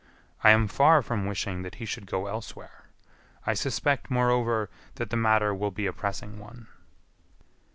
I am far from wishing that he should go elsewhere; I suspect, moreover, that the matter will be a pressing one."